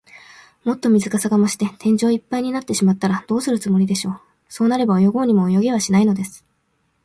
もっと水かさが増して、天井いっぱいになってしまったら、どうするつもりでしょう。そうなれば、泳ごうにも泳げはしないのです。